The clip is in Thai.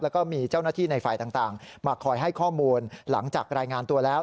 แล้วก็มีเจ้าหน้าที่ในฝ่ายต่างมาคอยให้ข้อมูลหลังจากรายงานตัวแล้ว